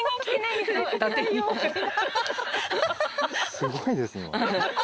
すごいですね。